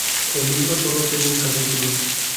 El libro sólo tiene un capítulo.